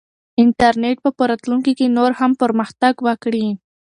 انټرنیټ به په راتلونکي کې نور هم پرمختګ وکړي.